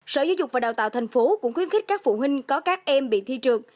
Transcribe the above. sở giáo dục và đào tạo thành phố cũng khuyến khích các phụ huynh có các em bị thi trượt